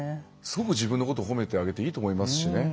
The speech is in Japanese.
自分のこと褒めてあげていいと思いますしね。